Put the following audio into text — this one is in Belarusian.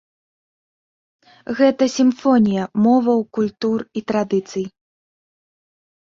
Гэта сімфонія моваў, культур і традыцый.